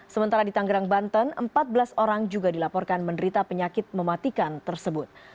sementara di tanggerang banten empat belas orang juga dilaporkan menderita penyakit mematikan tersebut